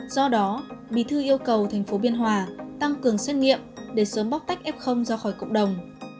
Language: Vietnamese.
do đó bí thư yêu cầu thành phố biên hòa tăng cường xét nghiệm để sớm bóc tách f ra khỏi cộng đồng